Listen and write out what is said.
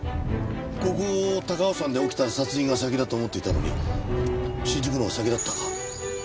ここ高尾山で起きた殺人が先だと思っていたのに新宿のほうが先だったか。